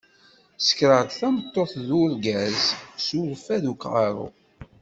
Sekraɣ-d tameṭṭut d urgaz s urfad n uqeṛṛu.